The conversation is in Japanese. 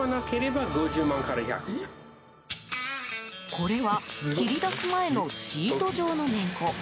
これは、切り出す前のシート状のメンコ。